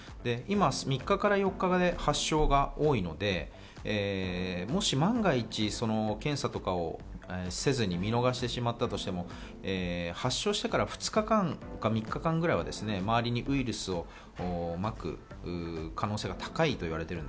今、３日から４日で発症が多いので、もし万が一、検査とかをせずに見逃してしまったとしても発症してから２日間か３日間ぐらいは、周りにウイルスをまく可能性が高い。